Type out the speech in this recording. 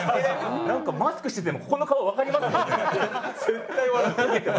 何かマスクしててもここの顔分かりますよね。